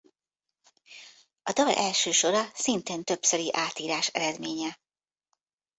A dal első sora szintén többszöri átírás eredménye.